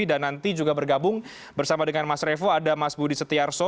dan nanti juga bergabung bersama dengan mas revo ada mas budi setiarso